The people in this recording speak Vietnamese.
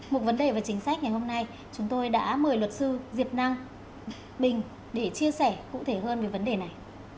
một vấn đề và chính sách ngày hôm nay chúng tôi đã mời luật sư diệp năng bình để chia sẻ cụ thể hơn về vấn đề này